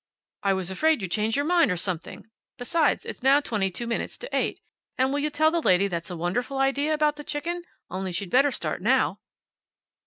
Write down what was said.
"I was afraid you'd change your mind, or something. Besides, it's now twenty two minutes to eight. And will you tell the lady that's a wonderful idea about the chicken? Only she'd better start now."